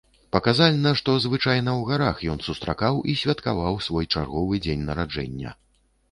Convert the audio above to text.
Паказальна, што звычайна ў гарах ён сустракаў і святкаваў свой чарговы дзень нараджэння.